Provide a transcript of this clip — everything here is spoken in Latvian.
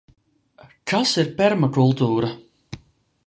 Kas ir permakultūra?